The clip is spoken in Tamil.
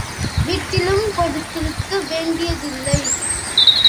வீட்டிலும் படுத்திருக்க வேண்டியதில்லை.